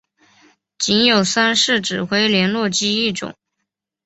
仅有三式指挥连络机一种。